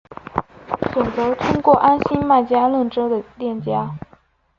选择通过安心卖家认证的店家